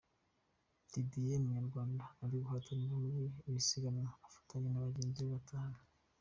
Didier umunyarwanda uri guhatana muri iri siganwa afatanya na bagenzi be batanu